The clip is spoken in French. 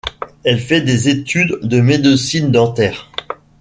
Elle fait des études de médecine dentaire.